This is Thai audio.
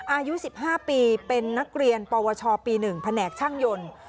อายุสิบห้าปีเป็นนักเรียนปวชปีหนึ่งแผนกช่างยนต์